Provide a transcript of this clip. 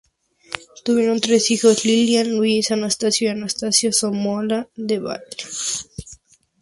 Tuvieron tres hijos: Lillian, Luis Anastasio y Anastasio Somoza Debayle.